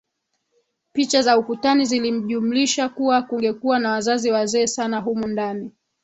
Picha za ukutani zilimjulisha kuwa kungekuwa na wazazi wazee sana humo ndani